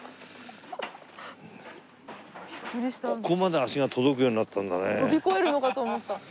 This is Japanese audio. ここまで足が届くようになったんだね。